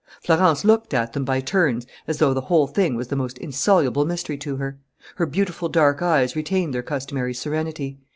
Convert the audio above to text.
Florence looked at them by turns as though the whole thing was the most insoluble mystery to her. Her beautiful dark eyes retained their customary serenity.